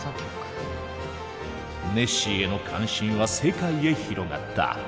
ネッシーへの関心は世界へ広がった。